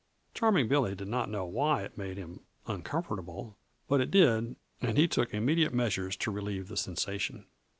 Charming Billy did not know why it made him uncomfortable, but it did and he took immediate measures to relieve the sensation.